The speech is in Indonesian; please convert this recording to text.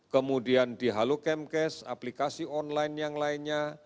kemudian di halo camp cash aplikasi online yang lainnya